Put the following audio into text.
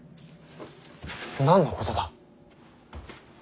何のことだ。